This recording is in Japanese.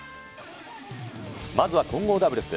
まずは混合ダブルス。